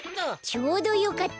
ちょうどよかった。